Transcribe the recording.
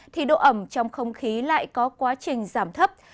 thì độ ẩm trong không khí lại có quá trình giảm thấp